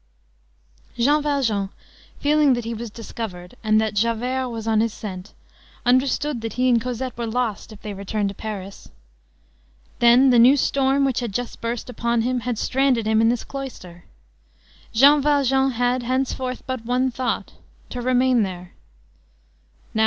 Jean Valjean, feeling that he was discovered and that Javert was on his scent, understood that he and Cosette were lost if they returned to Paris. Then the new storm which had just burst upon him had stranded him in this cloister. Jean Valjean had, henceforth, but one thought,—to remain there.